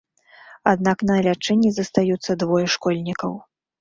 Аднак на лячэнні застаюцца двое школьнікаў.